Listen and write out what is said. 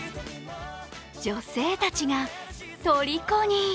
女性たちがとりこに。